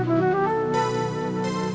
pergi kementerian mesir